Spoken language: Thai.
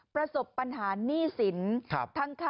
ประสบปัญหาหนี้สิน